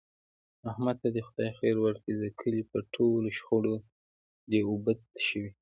احمد ته دې خدای خیر ورکړي د کلي په ټولو شخړو دی اوبه تشوي.